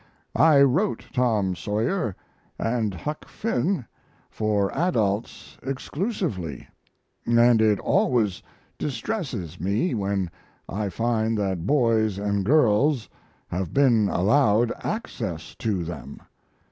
I wrote Tom Sawyer & Huck Finn for adults exclusively, & it always distresses me when I find that boys & girls have been allowed access to them.